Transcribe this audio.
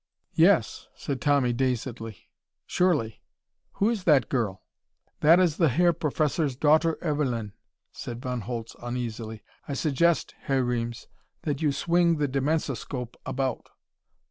"Yes," said Tommy dazedly. "Surely. Who is that girl?" "That is the Herr Professor's daughter Evelyn," said Von Holtz uneasily. "I suggest, Herr Reames, that you swing the dimensoscope about."